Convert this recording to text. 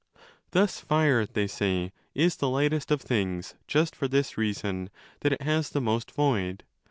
Thus fire, they say, is the lightest of things just for this reason that it has the most void.